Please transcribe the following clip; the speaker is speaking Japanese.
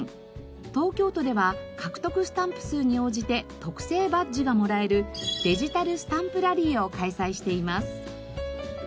東京都では獲得スタンプ数に応じて特製バッジがもらえるデジタルスタンプラリーを開催しています。